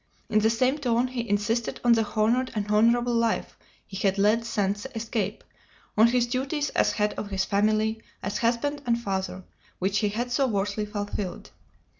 In the same tone he insisted on the honored and honorable life he had led since his escape, on his duties as head of his family, as husband and father, which he had so worthily fulfilled.